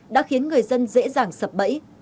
đã khiến người dân dễ dàng sập bẫy